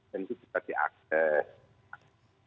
dan itu bisa diakses